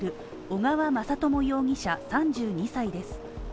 小川雅朝容疑者、３２歳です。